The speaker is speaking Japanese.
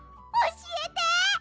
おしえて！